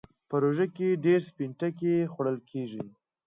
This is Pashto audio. په روژه کې ډېر سپين ټکی خوړل کېږي.